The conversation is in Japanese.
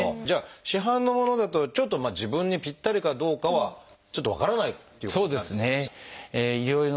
じゃあ市販のものだとちょっと自分にぴったりかどうかはちょっと分からないということになる。